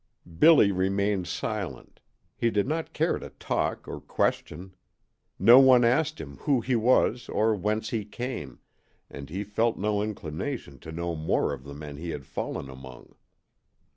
Billy remained silent. He did not care to talk or question. No one asked him who he was or whence he came, and he felt no inclination to know more of the men he had fallen among.